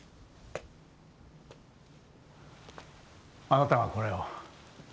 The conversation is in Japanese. あなたがこれを？